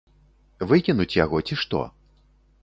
Выкінуць яго, ці што?